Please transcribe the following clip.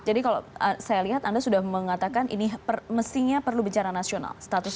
jadi kalau saya lihat anda sudah mengatakan ini mestinya perlu bencana nasional statusnya